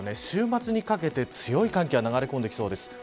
週末にかけて強い寒気が流れ込んできそうです。